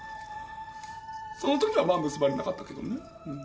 その時はまあ結ばれなかったけどね。